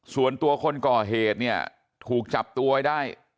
ส่วนตัวคนก่อเหตุเนี่ยถูกจับตัวไว้ได้